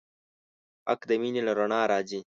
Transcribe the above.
حق د مینې له رڼا راځي.